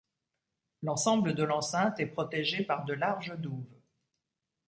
L'ensemble de l'enceinte est protégée par de larges douves.